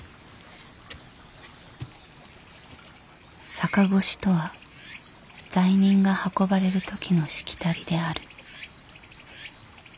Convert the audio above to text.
逆輿とは罪人が運ばれる時のしきたりである。